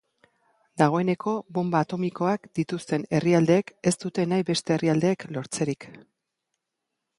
Dagoeneko bonba atomikoak dituzten herrialdeek ez dute nahi beste herrialdeek lortzerik.